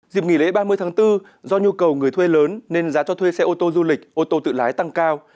dịp nghỉ lễ ba mươi tháng bốn do nhu cầu người thuê lớn nên giá cho thuê xe ô tô du lịch ô tô tự lái tăng cao